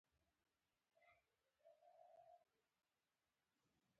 دوی سبا هم خپله ونډه غواړي.